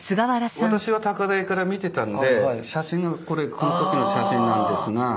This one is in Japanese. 私は高台から見てたので写真がこれこの時の写真なんですが。